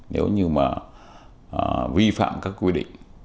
nếu như mà vi phạm các quy định